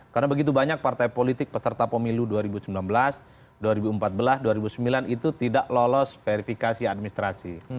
karena begitu banyak partai politik peserta pemilu dua ribu sembilan belas dua ribu empat belas dua ribu sembilan itu tidak lolos verifikasi administrasi